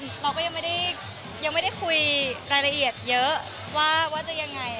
ก็จริงตอนนี้เราก็ยังไม่ได้คุยรายละเอียดเยอะว่าจะอย่างไร